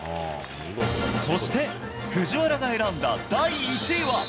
そして、藤原が選んだ第１位は。